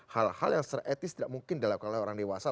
hal hal yang secara etis tidak mungkin dilakukan oleh orang dewasa